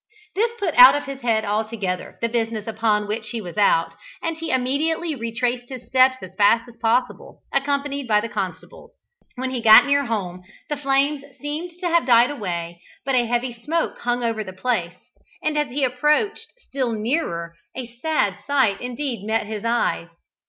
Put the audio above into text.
This put out of his head altogether the business upon which he was out, and he immediately retraced his steps as fast as possible, accompanied by the constables. When he got near home the flames seemed to have died away, but a heavy smoke hung over the place, and as he approached still nearer a sad sight indeed met his eyes.